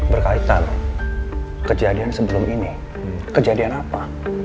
berkaitan kejadian sebelum ini kejadian apa